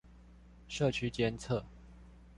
社區監測